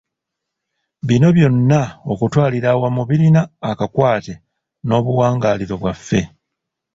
Bino byonna okutwalira awamu birina akakwate n'obuwangaaliro bwaffe.